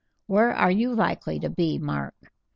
Where are you likely to be, Mark?"